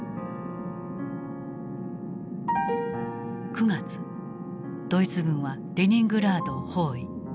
９月ドイツ軍はレニングラードを包囲。